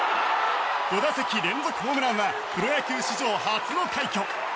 ５打席連続ホームランはプロ野球史上初の快挙！